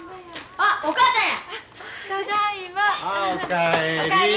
あお帰り。